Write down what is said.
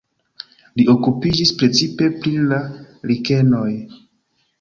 Li okupiĝis precipe pri la likenoj.